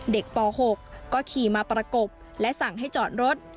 ป๖ก็ขี่มาประกบและสั่งให้จอดรถ